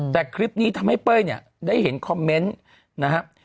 แต่คลิปนี้ทำให้เป้ยเนี่ยได้เห็นคอมเมนต์นะครับ